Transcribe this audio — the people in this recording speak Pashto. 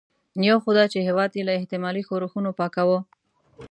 یو خو دا چې هېواد یې له احتمالي ښورښونو پاکاوه.